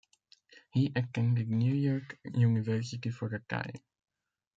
He attended New York University for a time.